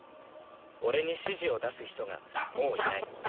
俺に指示を出す人がもういない。